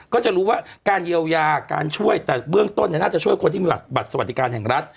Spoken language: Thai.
ก็จะรู้ว่าการเยียวยาการช่วยแต่เบื้องต้นน่าจะช่วยคนที่มีบัตรสวัสดิการแห่งรัฐ